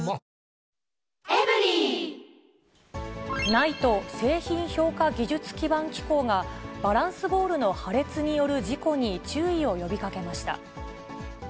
ＮＩＴＥ・製品評価技術基盤機構が、バランスボールの破裂による事故に注意を呼びかけました。